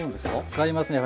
使いますね。